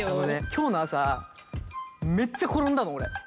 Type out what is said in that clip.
今日の朝めっちゃ転んだの、俺。